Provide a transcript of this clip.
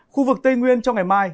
khu vực tây nguyên trong ngày mai